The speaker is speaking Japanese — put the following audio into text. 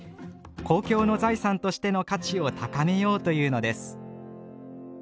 公共の財産としての価値を高めようというのです。